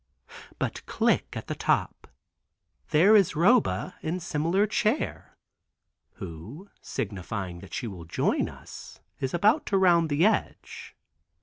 But "click" at the top. There is Roba in similar chair, who signifying that she will join us is about to round the edge.